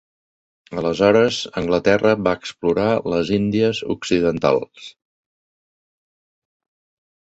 Aleshores Anglaterra va explorar les Índies Occidentals.